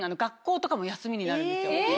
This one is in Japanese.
え！